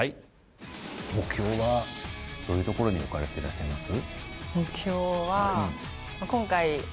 目標はどういうところに置かれていらっしゃいます？